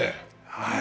はい。